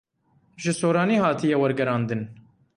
Ji soranî hatiye wergerandin.